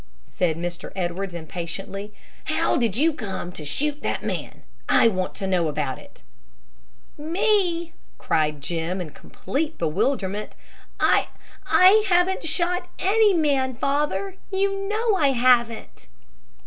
said Mr. Edwards, impatiently. "How did you come to shoot that man? I want to know about it." "Me!" cried Jim, in complete bewilderment. "I I haven't shot any man, father! You know I haven't."